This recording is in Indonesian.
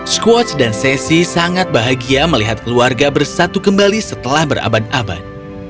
squatch dan sesi sangat bahagia melihat keluarga bersatu kembali setelah berabad abad